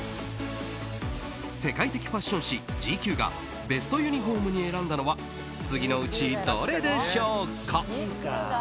世界的ファッション誌「ＧＱ」がベストユニホームに選んだのは次のうち、どれでしょうか？